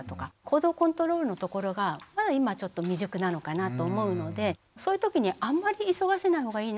行動コントロールのところがまだ今ちょっと未熟なのかなと思うのでそういう時にあんまり急がせないほうがいいなと思っています。